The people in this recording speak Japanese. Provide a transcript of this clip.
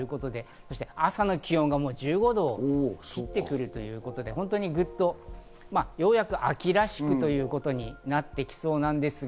朝の気温がもう１５度を切ってくるということで、ようやく秋らしくということになってきそうなんですが。